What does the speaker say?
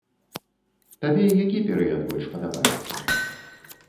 Табе які перыяд больш падабаецца?